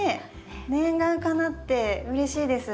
念願かなってうれしいです。